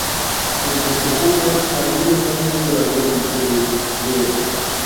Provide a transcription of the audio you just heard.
Mientras que el Cooper pandillas son un verdadero equipo, el Dr.